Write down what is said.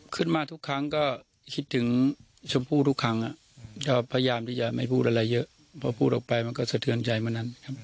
ขึ้นมาทุกครั้งก็คิดถึงชมพู่ทุกครั้งก็พยายามที่จะไม่พูดอะไรเยอะพอพูดออกไปมันก็สะเทือนใจเมื่อนั้นครับ